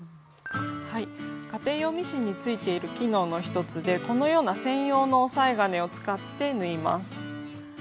家庭用ミシンについている機能の一つでこのような専用の押さえ金を使って縫います。